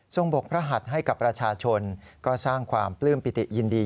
บกพระหัสให้กับประชาชนก็สร้างความปลื้มปิติยินดี